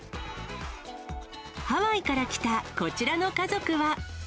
ハワイから来た、こちらの家族は。